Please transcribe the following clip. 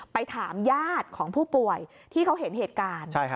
ไปถามญาติของผู้ป่วยที่เขาเห็นเหตุการณ์